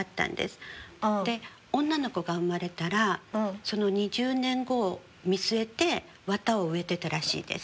で女の子が生まれたらその２０年後を見据えて綿を植えてたらしいです。